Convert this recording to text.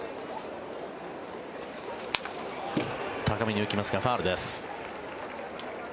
高めに浮きますがファウルです。